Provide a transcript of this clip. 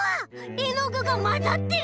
えのぐがまざってる！